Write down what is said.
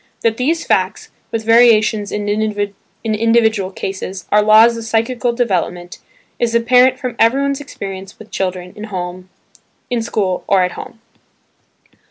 That these facts (with variations in individual cases) are laws of psychical development is apparent from everyone's experience with children in school or at home.